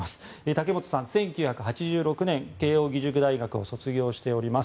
竹本さん、１９８６年慶応義塾大学を卒業しています。